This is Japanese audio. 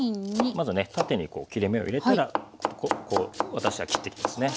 まずね縦にこう切れ目を入れたらこう私は切っていきますね。